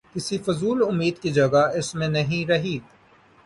کسی فضول امید کی جگہ اس میں نہیں رہی۔